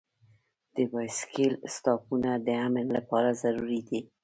د بایسکل سټاپونه د امن لپاره ضروري دي.